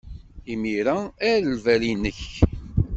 Imir-a, err lbal-nnek.